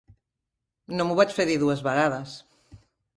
No m'ho vaig fer dir dues vegades.